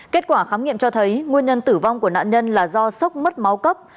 kết quả khám nghiệm cho thấy nguyên nhân tử vong của nạn nhân là do sốc mất máu cấp